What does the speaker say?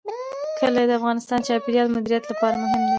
کلي د افغانستان د چاپیریال د مدیریت لپاره مهم دي.